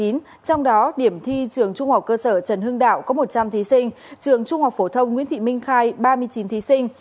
trong đó điểm thi trường trung học cơ sở trần hưng đạo có một trăm linh thí sinh trường trung học phổ thông nguyễn thị minh khai ba mươi chín thí sinh